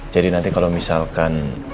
jadi nanti kalau misalkan